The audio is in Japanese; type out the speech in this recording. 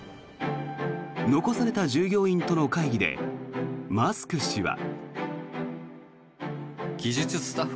残された従業員との会議でマスク氏は。